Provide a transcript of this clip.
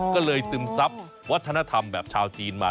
ก็เลยซึมซับวัฒนธรรมแบบชาวจีนมา